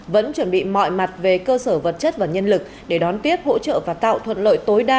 vẫn chuẩn bị mọi mặt về cơ sở vật chất và nhân lực để đón tiếp hỗ trợ và tạo thuận lợi tối đa